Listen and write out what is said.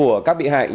công an tỉnh thanh hóa